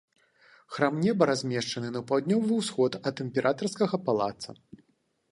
Храм неба размешчаны на паўднёвы ўсход ад імператарскага палаца.